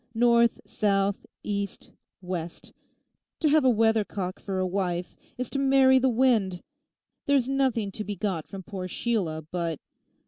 North, south, east, west—to have a weathercock for a wife is to marry the wind. There's nothing to be got from poor Sheila but...